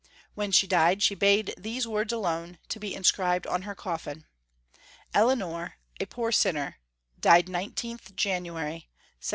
When she died, she bade these words alone to be inscribed on her coffin — "Eleonore, a poor dinner, died 19th January, 1720."